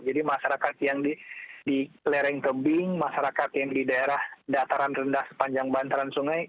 jadi masyarakat yang di lereng tebing masyarakat yang di daerah dataran rendah sepanjang bantaran sungai